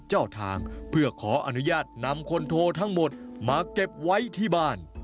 เจ้าทางเพื่อขออนุญาตนำคนโททั้งหมดมาเก็บไว้ที่บ้าน